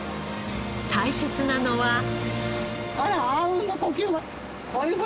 大切なのは。